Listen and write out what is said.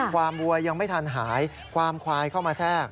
ความวัวยังไม่ทันหายความควายเข้ามาแทรก